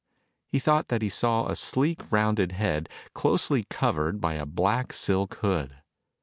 He thought that he saw a sleek rounded head closely covered by a black silk hood.